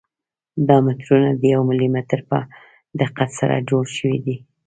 دا مترونه د یو ملي متر په دقت سره جوړ شوي دي.